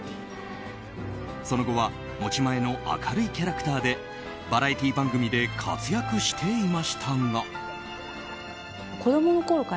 その後は持ち前の明るいキャラクターでバラエティー番組で活躍していましたが。